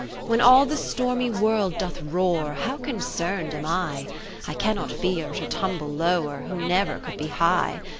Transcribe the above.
40 When all the stormy World doth roar How unconcern'd am I ! I cannot fear to tumble lower Who never could be high.